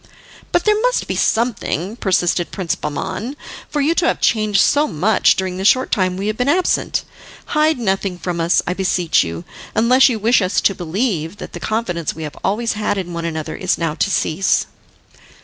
"But there must be something," persisted Prince Bahman, "for you to have changed so much during the short time we have been absent. Hide nothing from us, I beseech you, unless you wish us to believe that the confidence we have always had in one another is now to cease."